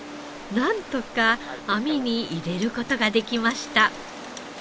なんとか網に入れる事ができました。